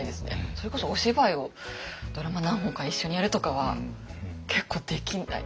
それこそお芝居をドラマ何本か一緒にやるとかは結構できない。